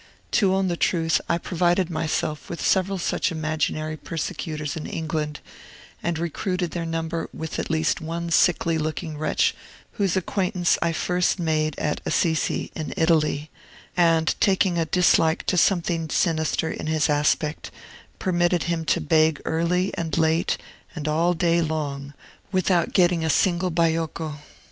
To own the truth, I provided myself with several such imaginary persecutors in England, and recruited their number with at least one sickly looking wretch whose acquaintance I first made at Assisi, in Italy, and, taking a dislike to something sinister in his aspect, permitted him to beg early and late, and all day long, without getting a single baiocco.